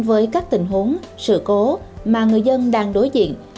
với các tình huống sự cố mà người dân đang đối diện